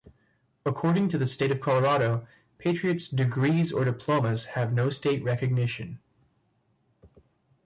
According to the State of Colorado, Patriot's "degrees or diplomas have no state recognition".